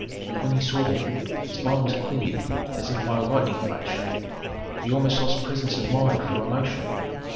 When he saw them, his mind was cleared as if by a lightning flash. He almost lost presence of mind from emotion.